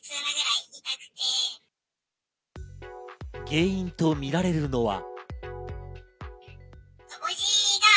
原因とみられるのは。